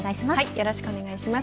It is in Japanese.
よろしくお願いします。